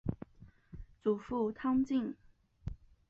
祖父汤敬。